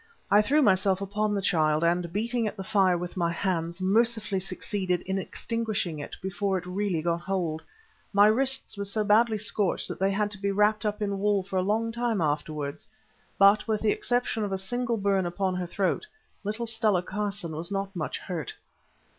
I threw myself upon the child, and, beating at the fire with my hands, mercifully succeeded in extinguishing it before it really got hold. My wrists were so badly scorched that they had to be wrapped up in wool for a long time afterwards, but with the exception of a single burn upon her throat, little Stella Carson was not much hurt.